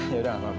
yaudah gak apa apa